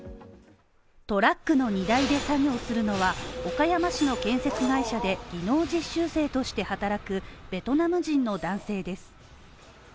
トラックの荷台で作業をするのは、岡山市の建設会社で実習生として働くベトナム人の男性です。